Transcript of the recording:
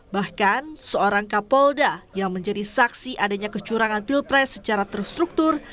bahkan seorang kapolda yang menjadi saksi adanya kecurangan pilpres secara terstruktur